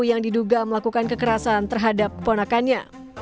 yang diduga melakukan kekerasan terhadap keponakannya